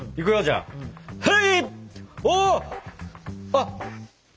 あっ！